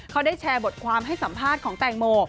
เขาได้แชร์บทความให้สัมภาษณ์ของแตงโม